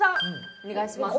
お願いします